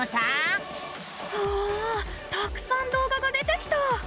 うわたくさん動画が出てきた！